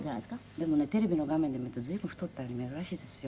でもねテレビの画面で見ると随分太ったように見えるらしいですよ。